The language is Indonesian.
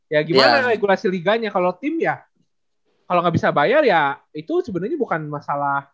ya gimana regulasi liganya kalo tim ya kalo ga bisa bayar ya itu sebenernya bukan masalahnya ya